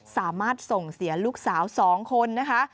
สามารถส่งเสียลูกสาว๒คนนะคะ